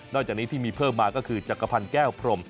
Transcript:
จากนี้ที่มีเพิ่มมาก็คือจักรพันธ์แก้วพรม